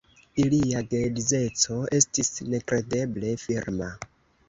Ilia geedzeco estis nekredeble firma.